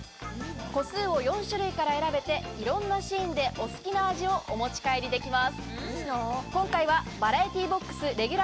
個数を４種類から選べていろんなシーンでお好きな味をお持ち帰りできます。